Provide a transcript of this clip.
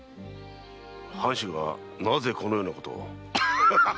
藩主がなぜこのようなことを？